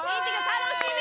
楽しみ！